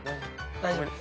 大丈夫です。